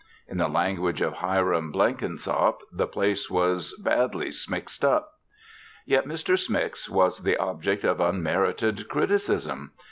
In the language of Hiram Blenkinsop, the place was badly "smixed up." Yet Mr. Smix was the object of unmerited criticism.